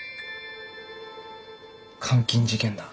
監禁事件だ。